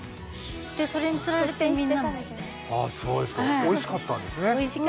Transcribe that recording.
で、それにつられてみんなもおいしかったんですね。